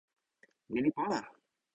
ni li pona!